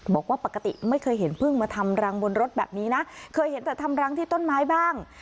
บอกว่าปกติไม่เคยเห็นพึ่งมาทำรังบนรถแบบนี้นะ